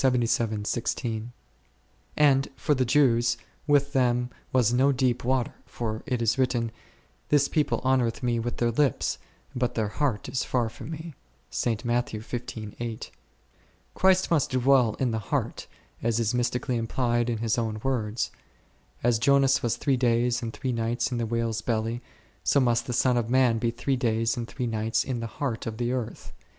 As for the Jews, with them was no deep water, for it is written, This people honoureth Me with their lips, but their " heart " is far from MeK Christ must dwell in the heart, as is mystically implied in His own words, As Jonas was three days and three nights in the whales belly, so must the Son of Man be three days and three nights in the " heart" of the earth*.